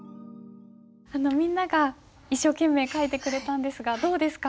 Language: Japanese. みんなが一生懸命書いてくれたんですがどうですか？